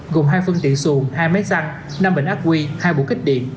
gồm hai phương tiện xuồng hai máy xăng năm bình ác quy hai bộ kích điện